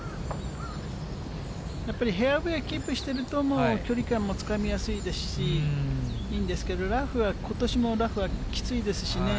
やっぱりフェアウエーキープしてると、もう距離感もつかみやすいですし、いいんですけど、ラフは、ことしもラフはきついですしね。